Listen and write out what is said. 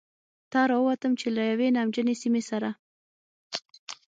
ته را ووتم، چې له یوې نمجنې سیمې سره.